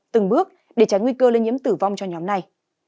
từng bước để tránh nguy cơ lây nhiễm tử vong cho nhóm này